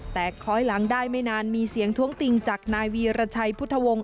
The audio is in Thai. แต่คล้อยหลังได้ไม่นานมีเสียงท้วงติงจากนายวีรชัยพุทธวงศ์